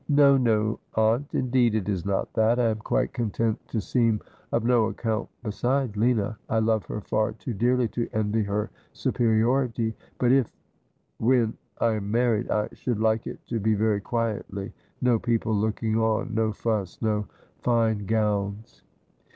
' No, no, Aunt ; indeed, it is not that. I am quite content to seem of no account beside Lina. I love her far too dearly to envy her superiority. But — if — when — I am married I should like it to be very quietly — no people looking on — no fuss — no 'And come agen, he it by Day or Night.'' 253 fine gowns.